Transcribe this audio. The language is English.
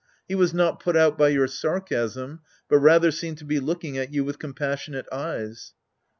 He was not put out by your sarcasm, but rather seemed to be looking at you with compassionate eyes.